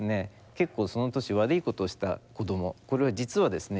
結構その年悪いことした子ども実はですね